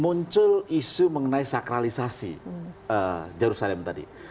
muncul isu mengenai sakralisasi jerusalem tadi